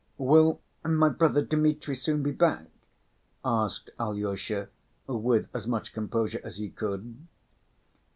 "Will my brother Dmitri soon be back?" asked Alyosha with as much composure as he could.